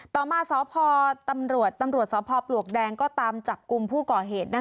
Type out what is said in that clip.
ต่อมาสพตำรวจตำรวจสพปลวกแดงก็ตามจับกลุ่มผู้ก่อเหตุ